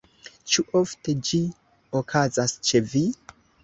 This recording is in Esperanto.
Ĉu ofte ĝi okazas ĉe vi?